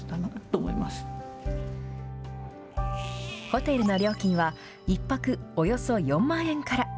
ホテルの料金は、１泊およそ４万円から。